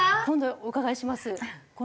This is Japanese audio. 今度お伺いします。